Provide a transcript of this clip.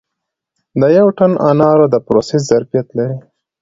د یو ټن انارو د پروسس ظرفیت لري